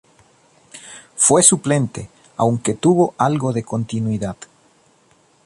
Fue suplente, aunque tuvo algo de continuidad.